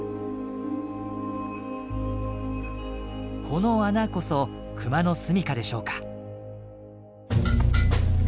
この穴こそクマの住みかでしょうか。